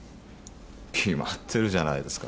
決まってるじゃないですか。